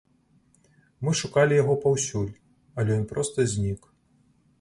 Мы шукалі яго паўсюль, але ён проста знік.